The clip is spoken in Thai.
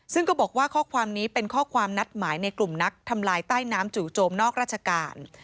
ซึ่งก็บอกว่าข้อความนี้เป็นข้อความนัดหมายในกลุ่มนักทำลายใต้น้ำจู่โจมนอกราชการ